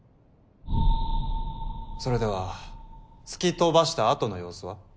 それでは突き飛ばした後の様子は？